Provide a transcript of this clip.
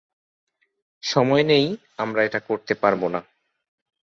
সময় নেই, আমরা এটা করতে পারবো না।